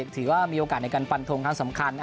ถือว่ามีโอกาสในการฟันทงครั้งสำคัญ